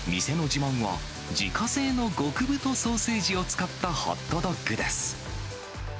店の自慢は、自家製の極太ソーセージを使ったホットドッグです。